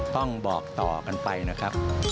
ต้องบอกต่อกันไปนะครับ